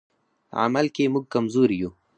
عمل کې موږ کمزوري یو.